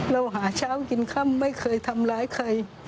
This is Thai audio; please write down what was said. เราหาเช้ากินค่ำไม่เคยทำร้ายใคร